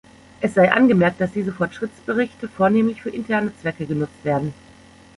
Es sei angemerkt, dass diese Fortschrittsberichte vornehmlich für interne Zwecke genutzt werden.